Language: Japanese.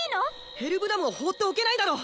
ヘルブラムを放っておけないだろ！